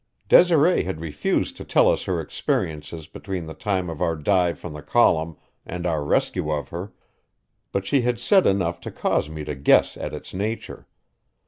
Desiree had refused to tell us her experiences between the time of our dive from the column and our rescue of her; but she had said enough to cause me to guess at its nature.